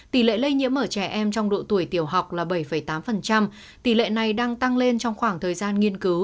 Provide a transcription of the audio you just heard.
tỷ lệ lây nhiễm ở trẻ em trong độ tuổi tiểu học là bảy tám tỷ lệ này đang tăng lên trong khoảng thời gian nghiên cứu